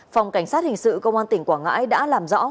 phòng cảnh sát hình sự công an tỉnh quảng ngãi đã làm rõ